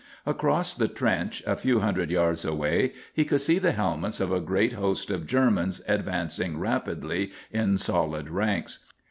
Across the trench, a few hundred yards away, he could see the helmets of a great host of Germans advancing rapidly in solid ranks.